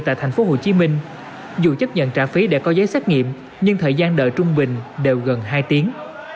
tại tp hcm dù chấp nhận trả phí để có giấy xét nghiệm nhưng thời gian đợi trung bình đều gần hai tiếng